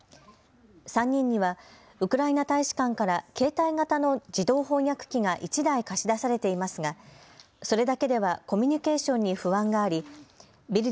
３人にはウクライナ大使館から携帯型の自動翻訳機が１台貸し出されていますがそれだけではコミュニケーションに不安がありヴィル